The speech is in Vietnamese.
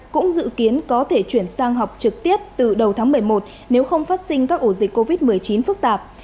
cũng dự kiến có thể chuyển sang học trực tiếp từ đầu tháng một mươi một nếu không phát sinh các ổ dịch covid một mươi chín phức tạp